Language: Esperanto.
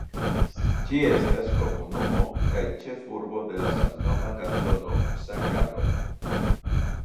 Ĝi estas komunumo kaj ĉefurbo de la samnoma Kantono Sankt-Galo.